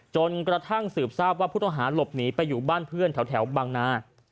จนกระทั่งสืบทราบว่าผู้ต้องหาหลบหนีไปอยู่บ้านเพื่อนแถวบางนา